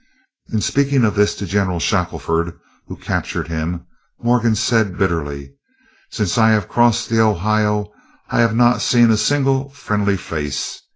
In speaking of this to General Shackelford, who captured him, Morgan said, bitterly: "Since I have crossed the Ohio I have not seen a single friendly face.